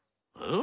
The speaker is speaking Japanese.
ん？